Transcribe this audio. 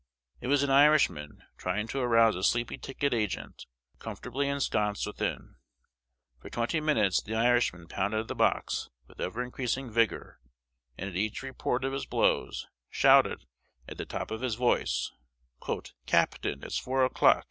It was an Irishman, trying to arouse a sleepy ticket agent, comfortably ensconced within. For twenty minutes the Irishman pounded the box with ever increasing vigor, and, at each report of his blows, shouted at the top of his voice, "Captain! it's four o'clock!